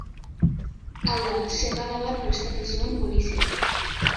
Hau da, segada bat prestatu zuen Poliziak.